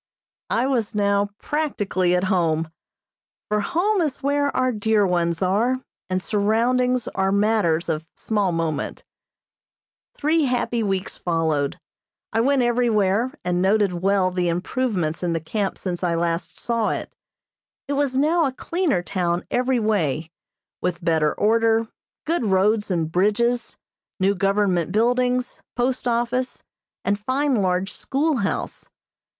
I was now practically at home, for home is where our dear ones are, and surroundings are matters of small moment. Three happy weeks followed, I went everywhere and noted well the improvements in the camp since I last saw it. It was now a cleaner town every way, with better order, good roads and bridges, new government buildings, post office and fine large schoolhouse.